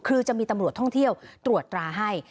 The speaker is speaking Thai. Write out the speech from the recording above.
คือจะมีตำรวจท่องเที่ยวตรวจตราให้